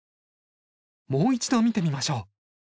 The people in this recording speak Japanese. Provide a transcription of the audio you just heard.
もう一度見てみましょう。